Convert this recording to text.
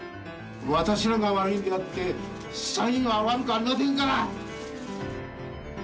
私らが悪いんであって、社員は悪くありませんから！